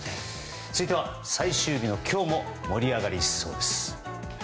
続いては、最終日の今日も盛り上がりそうです。